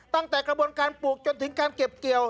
ตั้งแต่กระบวนการปลูกจนถึงการเก็บเกี่ยว